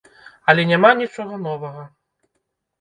Але няма нічога новага.